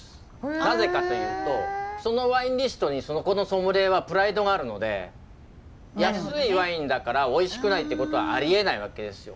なぜかというとそのワインリストにそこのソムリエはプライドがあるので安いワインだからおいしくないってことはありえないわけですよ。